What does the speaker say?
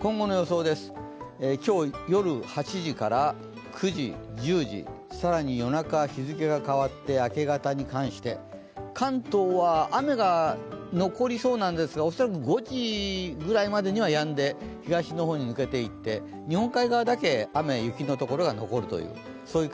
今後の予想です、今日、夜８時から９時、１０時、更に夜中、日付が変わって明け方に関して関東は雨が残りそうなんですが、恐らく５時ぐらいまではやんで東の方に抜けていって日本海側だけ雨・雪のところが残りそう。